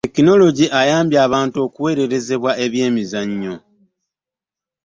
tekinologiya ayamba abantu okuweererezebwa eby'emizannyo.